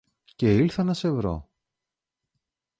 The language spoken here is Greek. και ήλθα να σε βρω.